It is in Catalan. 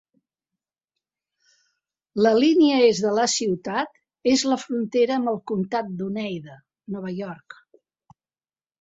La línia est de la ciutat és la frontera amb el comtat d'Oneida, Nova York.